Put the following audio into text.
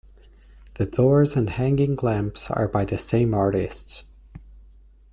The doors and hanging lamps are by the same artists.